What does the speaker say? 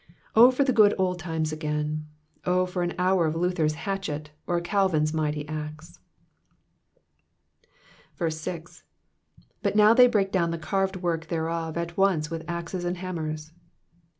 O for the good old times again I O for an hour of Luther^s hatchet, or Calvin's mighty axe I 6. ^''Bitt now they hreah down the carved work thereof at once with ares and Jiammers.''